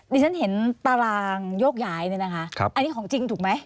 ดิฉันเห็นตารางโยกย้ายเนี่ยนะคะอันนี้ของจริงถูกไหม